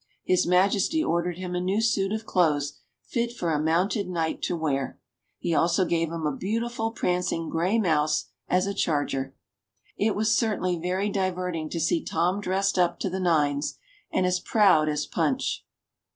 His Majesty ordered him a new suit of clothes fit for a mounted knight to wear. He also gave him a beautiful prancing grey mouse as a charger. It was certainly very diverting to see Tom dressed up to the nines, and as proud as Punch.